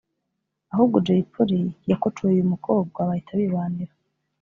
ahubwo Jay Polly yakocoye uyu mukobwa bahita bibanira